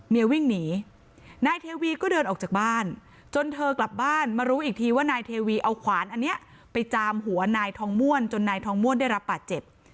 วิ่งหนีนายเทวีก็เดินออกจากบ้านจนเธอกลับบ้านมารู้อีกทีว่านายเทวีเอาขวานอันนี้ไปจามหัวนายทองม่วนจนนายทองม่วนได้รับบาดเจ็บ